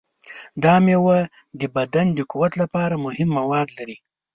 دا میوه د بدن د قوت لپاره مهم مواد لري.